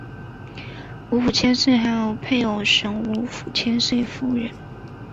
吴府千岁还有配偶神吴府千岁夫人。